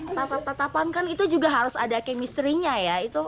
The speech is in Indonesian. tapi kalau kayak tetapan tetapan kan itu juga harus ada chemistry nya ya